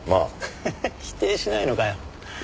ハハハ否定しないのかよ。